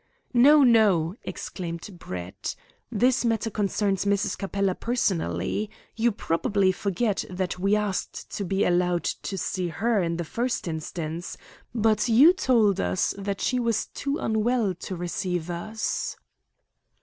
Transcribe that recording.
"No, no!" exclaimed Brett. "This matter concerns Mrs. Capella personally. You probably forget that we asked to be allowed to see her in the first instance, but you told us that she was too unwell to receive us."